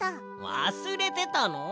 わすれてたの？